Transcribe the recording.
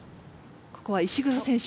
ここは石黒選手。